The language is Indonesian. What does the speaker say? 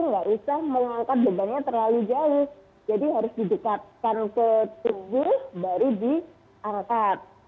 nggak usah mengangkat bebannya terlalu jauh jadi harus didekatkan ke tubuh baru diangkat